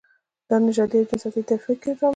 دا نژادي او جنسیتي تفکیک رامنځته کوي.